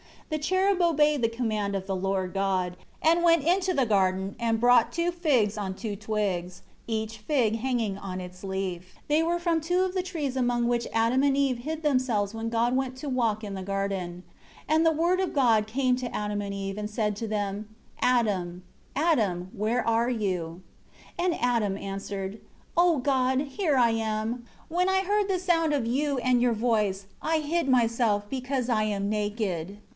2 The cherub obeyed the command of the Lord God, and went into the garden and brought two figs on two twigs, each fig hanging to its leaf; they were from two of the trees among which Adam and Eve hid themselves when God went to walk in the garden, and the Word of God came to Adam and Eve and said to them, "Adam, Adam, where are you?" 3 And Adam answered, "O God, here I am. When I heard the sound of You and Your voice, I hid myself, because I am naked."